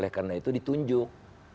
oleh karena itu ditunjuk